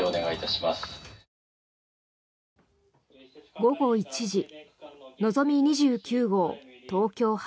午後１時、のぞみ２９号東京発